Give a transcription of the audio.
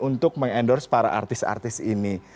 untuk meng endorse para artis artis ini